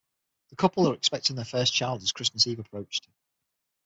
The couple are expecting their first child as Christmas Eve approached.